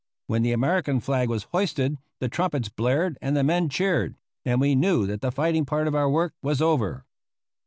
When the American flag was hoisted the trumpets blared and the men cheered, and we knew that the fighting part of our work was over.